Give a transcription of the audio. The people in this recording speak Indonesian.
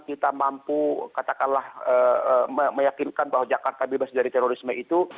kita mampu katakanlah meyakinkan bahwa jakarta bebas dari terorisme itu